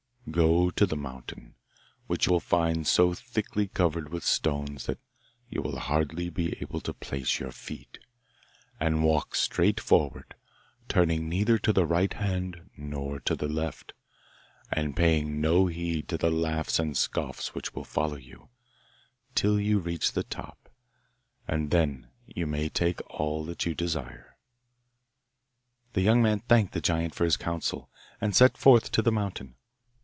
'Go to the mountain, which you will find so thickly covered with stones that you will hardly be able to place your feet, and walk straight forward, turning neither to the right hand nor to the left, and paying no heed to the laughs and scoffs which will follow you, till you reach the top, and then you may take all that you desire.' The young man thanked the giant for his counsel, and set forth to the mountain.